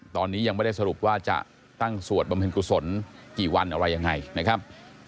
ตอนนี้ยังไม่ได้สรุปว่าจะตั้งสวดบำเพ็ญกุศลกี่วันอะไรยังไงนะครับ